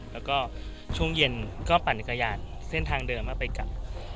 แล้วก็ช่วงเย็นก็ปั่นจักรยานเส้นทางเดิมแล้วไปกลับ